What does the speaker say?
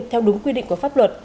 theo đúng quy định của pháp luật